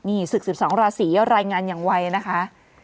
นี่ศึก๑๒ราศีรายงานอย่างไวนะคะ